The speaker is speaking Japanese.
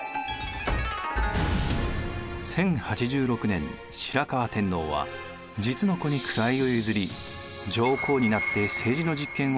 １０８６年白河天皇は実の子に位を譲り上皇になって政治の実権を握り続けます。